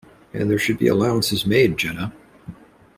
And there should be allowances made, Jenna.